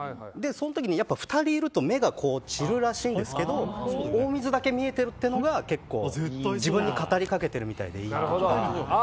その時に２人いると目が散るらしいんですけど大水だけ見えてるというのが結構、自分に語り掛けてるみたいでいいと。